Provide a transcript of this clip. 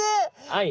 はい。